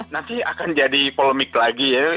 nanti akan jadi polemik lagi ya